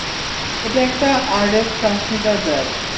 এটা একটা RF transmitter bug.